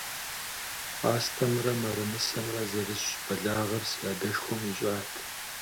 Пӏастэмрэ мэрэмысэмрэ зэрысщӏ бэлагъыр си адшхуэм ищӏат.